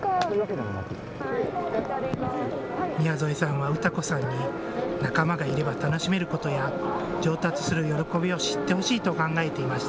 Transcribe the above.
宮副さんは詩子さんに仲間がいれば楽しめることや上達する喜びを知ってほしいと考えていました。